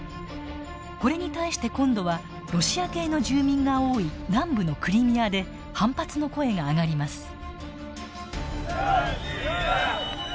これに対して今度はロシア系の住民が多い南部のクリミアで反発の声が上がります。